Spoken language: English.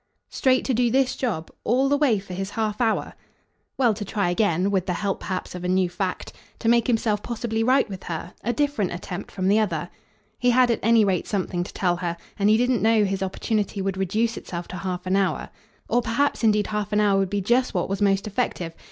"Straight to do this job? All the way for his half hour?" "Well, to try again with the help perhaps of a new fact. To make himself possibly right with her a different attempt from the other. He had at any rate something to tell her, and he didn't know his opportunity would reduce itself to half an hour. Or perhaps indeed half an hour would be just what was most effective.